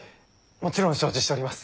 もちろん承知しております。